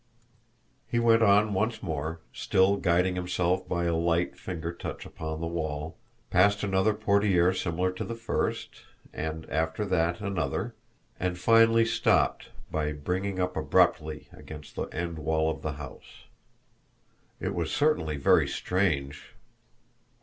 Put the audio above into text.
He went on once more, still guiding himself by a light finger touch upon the wall, passed another portiere similar to the first, and, after that, another and finally stopped by bringing up abruptly against the end wall of the house. It was certainly very strange!